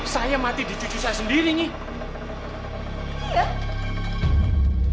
saya mati di diri saya sendiri nih